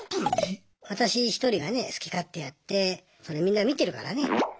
私一人がね好き勝手やってそれみんな見てるからね。